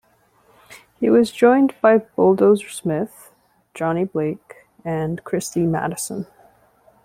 He was joined by Bulldozer Smith, Johnny Blake, and Christie Madison.